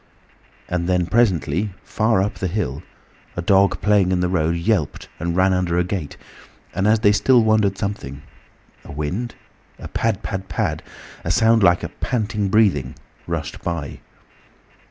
And then presently, far up the hill, a dog playing in the road yelped and ran under a gate, and as they still wondered something—a wind—a pad, pad, pad,—a sound like a panting breathing, rushed by.